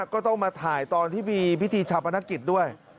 ก็ต้องมาถ่ายตอนที่มีพิธีชาปนกิจด้วย